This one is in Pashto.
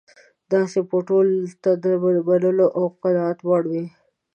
داسې به ټولو ته د منلو او قناعت وړ وي.